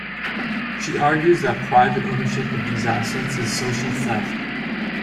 She argues that private ownership of these assets is social theft.